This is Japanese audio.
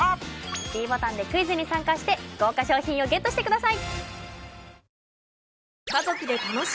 ｄボタンでクイズに参加して豪華賞品をＧＥＴしてください